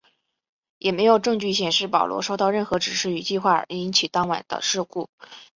也没有证据显示保罗受到任何指示与计划而引起当晚的事故。